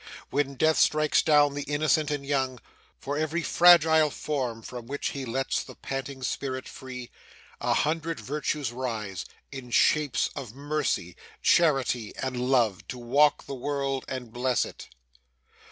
When Death strikes down the innocent and young, for every fragile form from which he lets the panting spirit free, a hundred virtues rise, in shapes of mercy, charity, and love, to walk the world, and bless it.